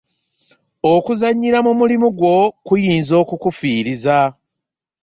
Okuzannyira mu mulimu gwo kuyinza okukufiiriza.